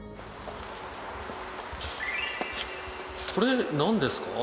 これ何ですか？